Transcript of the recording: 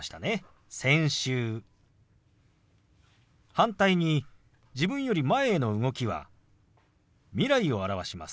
反対に自分より前への動きは未来を表します。